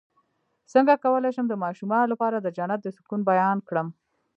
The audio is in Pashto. څنګه کولی شم د ماشومانو لپاره د جنت د سکون بیان کړم